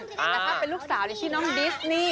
แต่ถ้าเป็นลูกสาวชื่อน้องดิสนี่